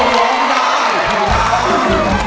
ร้องได้ให้ล้าน